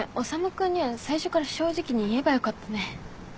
君には最初から正直に言えばよかったね。